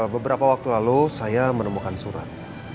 beberapa waktu lalu saya menemukan surat